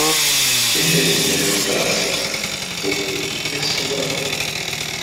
Fece erigere un palazzetto, nel borgo, presso l'oratorio.